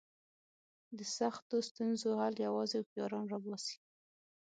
د سختو ستونزو حل یوازې هوښیاران را باسي.